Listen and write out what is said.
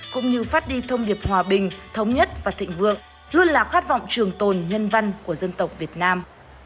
cũng như phát đi thông điệp hòa bình thống nhất và thịnh vượng luôn là khát vọng trường tồn nhân văn của dân tộc việt nam